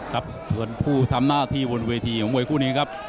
ครับส่วนผู้ทำหน้าที่บนเวทีของมวยคู่นี้ครับ